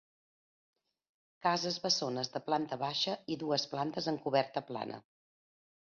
Casses bessones de planta baixa i dues plantes amb coberta plana.